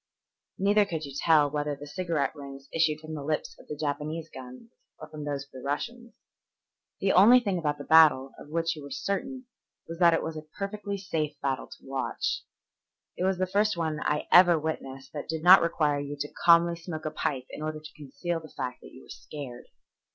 Neither could you tell whether the cigarette rings issued from the lips of the Japanese guns or from those of the Russians. The only thing about that battle of which you were certain was that it was a perfectly safe battle to watch. It was the first one I ever witnessed that did not require you to calmly smoke a pipe in order to conceal the fact that you were scared.